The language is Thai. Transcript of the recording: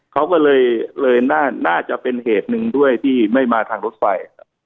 เขาก็เลยเลยน่าจะเป็นเหตุหนึ่งด้วยที่ไม่มาทางรถไฟ